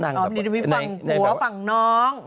อ๋อหนึ่งแหละพี่ฝั่งหัวฝั่งน้อง